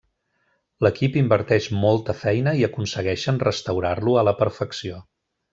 L'equip inverteix molta feina i aconsegueixen restaurar-lo a la perfecció.